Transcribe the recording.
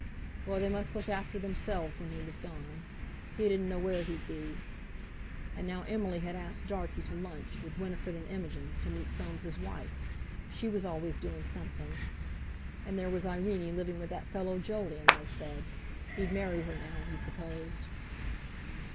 Well, they must look after themselves when he was gone: he didn't know where he'd be! And now Emily had asked Dartie to lunch, with Winifred and Imogen, to meet Soames' wife—she was always doing something. And there was Irene living with that fellow Jolyon, they said. He'd marry her now, he supposed.